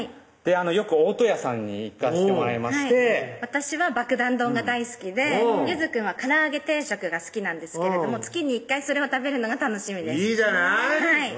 よく大戸屋さんに行かしてもらいまして私は「ばくだん丼」が大好きでゆずくんは「唐揚げ定食」が好きなんですけれども月に１回それを食べるのが楽しみですいいじゃないはい